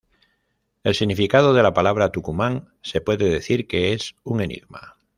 El significado de la palabra "Tucumán", se puede decir que es un enigma.